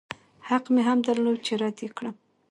حق مې هم درلود چې رد يې کړم.